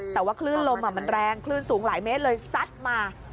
แต่ว่าคลื่นลมมันแรงคลื่นสูงหลายเมตรเลยซัดมา